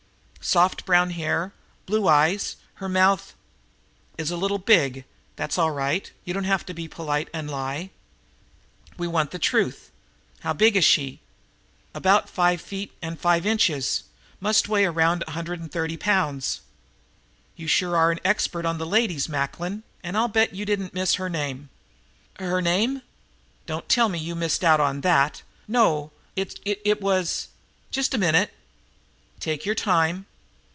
"Soft brown hair, blue eyes, her mouth " "Is a little big. That's all right. You don't have to be polite and lie. We want the truth. How big is she?" "About five feet and five inches, must weigh around a hundred and thirty pounds." "You sure are an expert on the ladies, Macklin, and I'll bet you didn't miss her name?" "Her name?" "Don't tell me you missed out on that!" "No. It was Just a minute!" "Take your time."